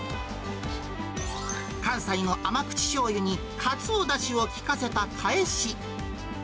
関西の甘口しょうゆに、かつおだしを効かせたかえし。